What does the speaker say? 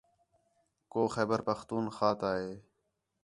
کُو خیبر پختونخواہ تا ہے